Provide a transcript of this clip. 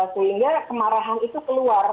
sehingga kemarahan itu keluar